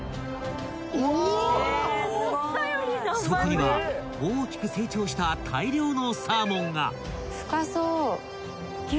［そこには大きく成長した大量のサーモンが］